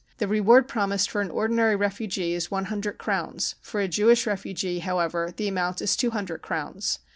The reward promised for an ordinary refugee is one hundred crowns, for a Jewish refugee, however, the amount is two hundred crowns.